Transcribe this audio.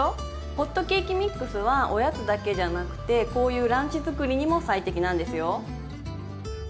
ホットケーキミックスはおやつだけじゃなくてこういうランチ作りにも最適なんですよ。